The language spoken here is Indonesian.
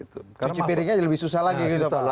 cuci piringnya lebih susah lagi